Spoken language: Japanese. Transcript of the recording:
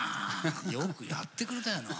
よくやってくれたよな。